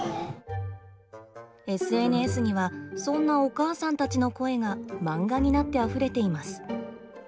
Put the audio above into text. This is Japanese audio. ＳＮＳにはそんなお母さんたちの声がマンガになってあふれています。